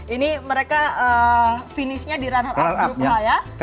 ini mereka finishnya di run up ya